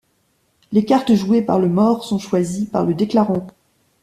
Les cartes jouées par le mort sont choisies par le déclarant.